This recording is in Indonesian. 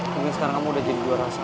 mungkin sekarang kamu udah jadi juara